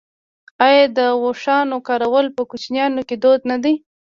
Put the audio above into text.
آیا د اوښانو کارول په کوچیانو کې دود نه دی؟